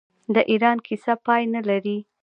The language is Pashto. د ایران کیسه پای نلري.